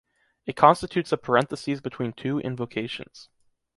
It constitutes a parenthesis between two invocations.